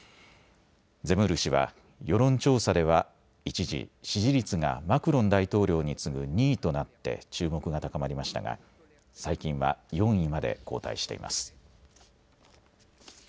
ゼムール氏は世論調査では一時、支持率がマクロン大統領に次ぐ２位となって注目が高まりましたが最近は４位まで後退しています。